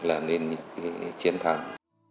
làm nên những chiến thắng